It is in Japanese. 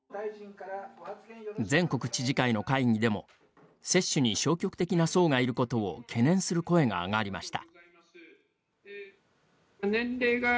全国知事会の会議でも接種に消極的な層がいることを懸念する声が上がりました。